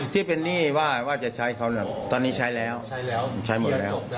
ที่เป็นนี่ว่าจะใช้เขาตอนนี้ใช้แล้วใช้หมดแล้ว